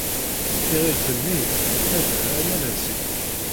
Tiɣilt-nni tettader arma d asif.